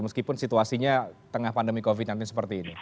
meskipun situasinya tengah pandemi covid sembilan belas seperti ini